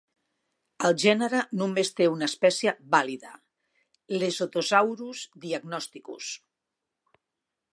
El gènere només té una espècie vàlida, Lesothosaurus diagnosticus.